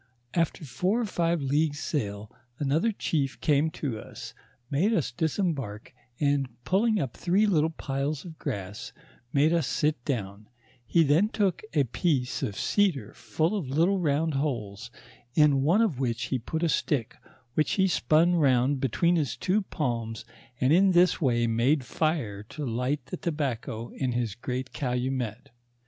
After four or five leagues sail another chief came to us, made us disembark, and pulling up three little piles of grass, made us sit down ; he then took a piece of cedar full of little round holes in one of which he put a stick, which he spun round between his two palms, and in this way made fire to light the tobacco in his great calumet.